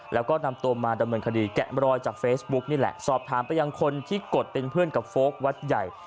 แล้วก็นำตัวมาดำเนินคดีแกะมรอยจากเฟซบุ๊กนี่แหละสอบถามไปยังคนที่กดเป็นเพื่อนกับโฟลกวัดใหญ่